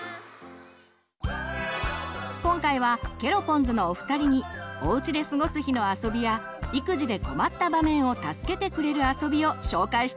今回はケロポンズのお二人におうちで過ごす日のあそびや育児で困った場面を助けてくれるあそびを紹介してもらいます！